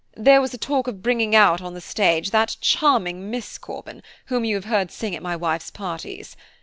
There was a talk of bringing out on the stage that charming Miss Corban, whom you have heard sing at my wife's parties.